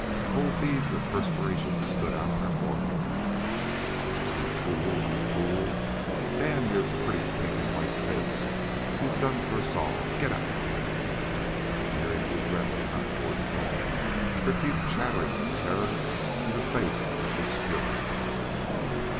Cold beads of perspiration stood out on her forehead. "You fool you fool! Damn your pretty pink and white face you've done for us all! Get out!" Mary moved readily enough toward the door, her teeth chattering with terror in the face of this fury.